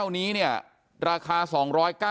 อยู่ดีมาตายแบบเปลือยคาห้องน้ำได้ยังไง